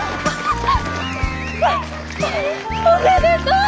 おめでとう！